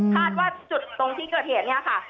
ว่าจุดตรงที่เกิดเหตุเนี่ยค่ะ